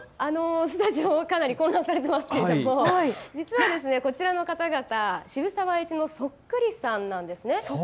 スタジオ、かなり混乱されていますが実はこちらの方々、渋沢栄一さんのそっくりさんなんです。